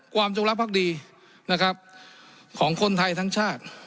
จงรักภักดีนะครับของคนไทยทั้งชาติ